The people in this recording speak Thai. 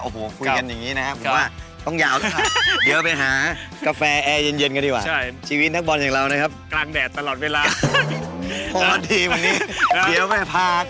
คุยกันอย่างนี้นะครับผมว่าต้องยาวนะครับเดี๋ยวไปหากาแฟแอร์เย็นกันดีกว่า